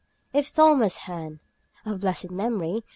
If Thomas Hearne (of blessed memory!)